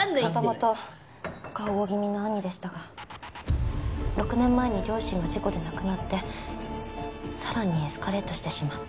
元々過保護気味な兄でしたが６年前に両親が事故で亡くなってさらにエスカレートしてしまって。